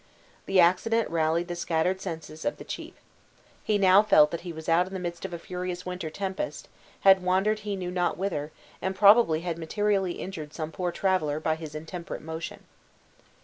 The accident rallied the scattered senses of the chief. He now felt that he was out in the midst of a furious winter tempest, had wandered he knew not whither, and probably had materially injured some poor traveler by his intemperate motion.